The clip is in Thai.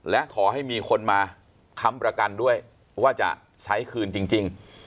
และขอให้มีคนมาค้ำประกันด้วยว่าจะใช้คืนจริง